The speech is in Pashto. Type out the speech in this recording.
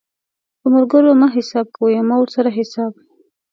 په ملګرو مه حساب کوئ او مه ورسره حساب